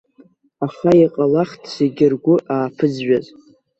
Аха иҟалахт зегьы ргәы ааԥызжәаз.